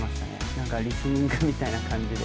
なんかリスニングみたいな感じで。